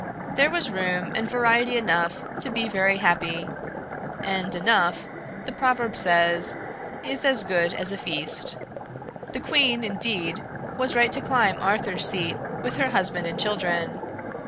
There was room and variety enough to be very happy, and 'enough,' the proverb says, 'is as good as a feast.' The queen, indeed, was right to climb Arthur's Seat with her husband and children.